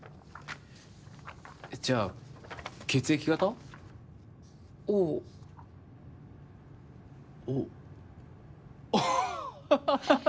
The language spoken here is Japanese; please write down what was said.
じゃあ、血液型は？